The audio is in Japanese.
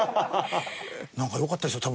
なんかよかったですよ